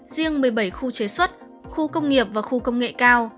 riêng một mươi bảy khu chế xuất khu công nghiệp và khu công nghệ cao